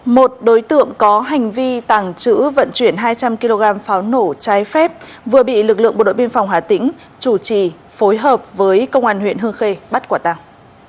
một đối tượng có hành vi tàng trữ vận chuyển hai trăm linh kg pháo nổ trái phép vừa bị lực lượng bộ đội biên phòng hà tĩnh chủ trì phối hợp với công an huyện hương khê bắt quả tàng